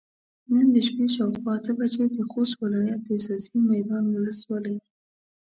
نن د شپې شاوخوا اته بجې د خوست ولايت د ځاځي ميدان ولسوالۍ